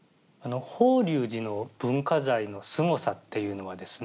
法隆寺の文化財のすごさっていうのはですね